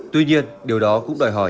tuy nhiên điều đó cũng đòi hỏi